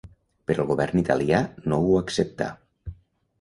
Però el govern italià no ho acceptà.